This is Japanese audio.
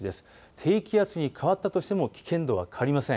低気圧に変わったとしても危険度は変わりません。